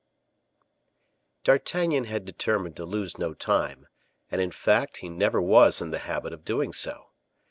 D'Artagnan had determined to lose no time, and in fact he never was in the habit of doing so.